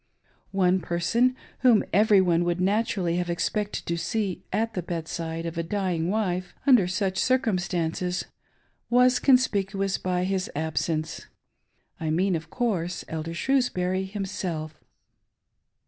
One person, whom every one ^ould naturally have expected to see at the bedside of a dying wife under such circumstances, was con spicuous by his absence, — I mean, of course. Elder Shrews bury himself.